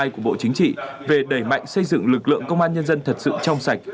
của bộ chính trị về đẩy mạnh xây dựng lực lượng công an nhân dân thật sự trong sạch